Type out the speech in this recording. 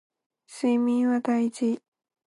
睡眠は大事